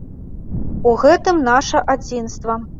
У гэтым наша адзінства.